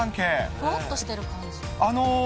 ぼーっとしてる感じ。